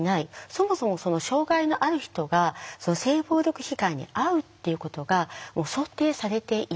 そもそも障害のある人が性暴力被害に遭うっていうことが想定されていない。